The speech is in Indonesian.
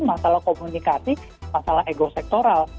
masalah komunikasi masalah ego sektoral